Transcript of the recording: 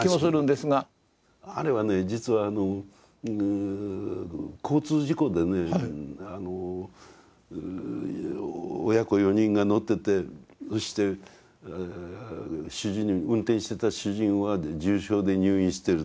あれはね実は交通事故でね親子４人が乗っててそして運転してた主人は重傷で入院してると。